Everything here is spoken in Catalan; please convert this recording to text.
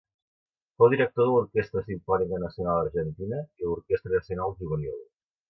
Fou director de l'Orquestra Simfònica Nacional Argentina i l'Orquestra Nacional Juvenil.